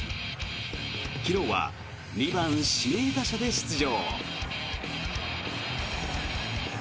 昨日は２番指名打者で出場。